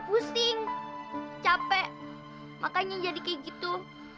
pusing capek makanya jadi kayak gitu